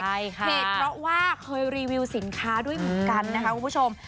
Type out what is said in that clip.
เพราะว่าเคยรีวิวสินค้าด้วยเหมือนกันนะคะคุณผู้ชม